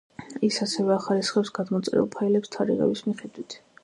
ის ასევე ახარისხებს გადმოწერილ ფაილებს თარიღის მიხედვით.